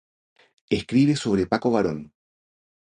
Escribe sobre Paco Barón.